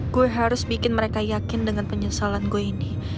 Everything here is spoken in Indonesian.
gue harus bikin mereka yakin dengan penyesalan gue ini